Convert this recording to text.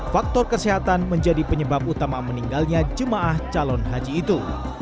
faktor kesehatan menjadi penyebab utama meninggalnya jemaah calon haji itu